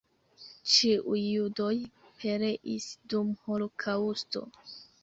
Ĉiuj judoj pereis dum holokaŭsto.